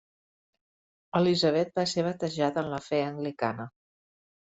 Elizabeth va ser batejada en la fe anglicana.